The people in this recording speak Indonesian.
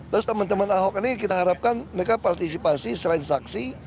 terus teman teman ahok ini kita harapkan mereka partisipasi selain saksi